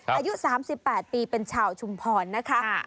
อายุ๓๘ปีเป็นชาวชุมพรนะคะ